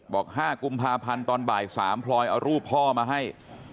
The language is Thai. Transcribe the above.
๕กุมภาพันธ์ตอนบ่าย๓พลอยเอารูปพ่อมาให้